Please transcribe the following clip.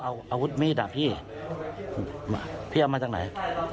อาวุธมีดากพี่พี่เอามาจากไหน